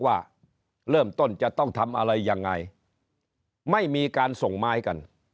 ว่าเริ่มต้นจะต้องทำอะไรยังไงไม่มีการส่งไม้กัน